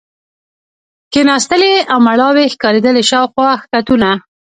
کېناستلې او مړاوې ښکارېدلې، شاوخوا کښتونه.